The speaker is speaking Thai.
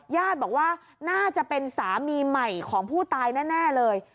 ญาติบอกว่าน่าจะเป็นสามีใหม่ของผู้ตายแน่เลย